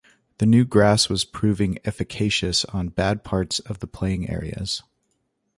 The new grass was proving efficacious on bad parts of the playing areas.